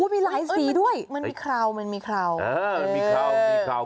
มีหลายสีด้วยมันมีเคราวมันมีเครามันมีเคราวมีเครา